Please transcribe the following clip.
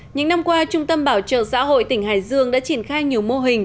những năm qua trung tâm bảo trợ xã hội tỉnh hải dương đã triển khai nhiều mô hình